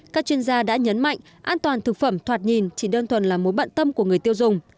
các chuyên gia đã nhấn mạnh an toàn thực phẩm thoạt nhìn chỉ đơn thuần là mối bận tâm của người tiêu dùng